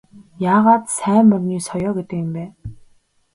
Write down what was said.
Яагаад сайн морины соёо гэдэг юм бэ?